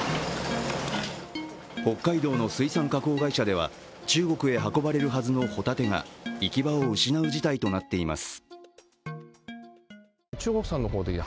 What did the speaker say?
北海道の水産加工会社では中国へ運ばれるはずのホタテが行き場を失う事態となっています。